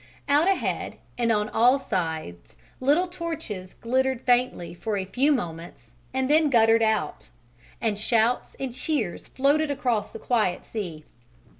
Out ahead and on all sides little torches glittered faintly for a few moments and then guttered out and shouts and cheers floated across the quiet sea.